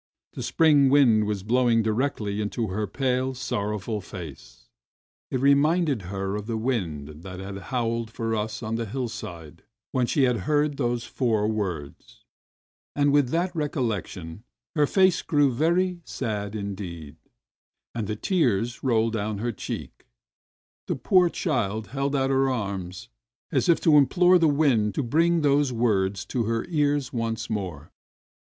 The spring wind was blowing directly into her pale, sorrowful face. It reminded A JOKE 85 her of the wind that had howled for us on the hillside when she had heard those four words, and with that recollection her face grew very sad indeed, and the tears rolled down her cheeks. The poor child held out her arms as if to implore the wind to bring those words to her ears once more.